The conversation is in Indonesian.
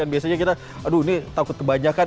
biasanya kita aduh ini takut kebanyakan